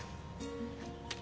はい。